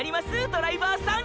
ドライバーさん！！